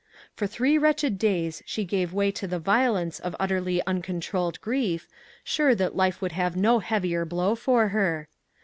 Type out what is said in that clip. For three wretched days she gave way to the violence of utterly uncontrolled grief, sure that life could have no heavier blow for her.